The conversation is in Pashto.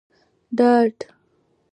ډاډ